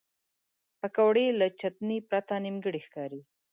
پکورې له چټنې پرته نیمګړې ښکاري